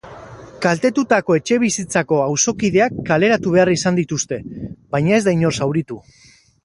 Kaltetutako etxebizitzako auzokideak kaleratu behar izan dituzte, baina ez da inor zauritu.